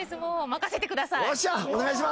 任せてください。